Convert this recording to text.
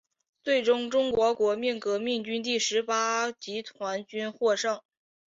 最终中国国民革命军第十八集团军获胜。